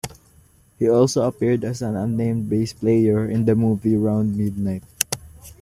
He also appeared as an unnamed bass player in the movie "Round Midnight".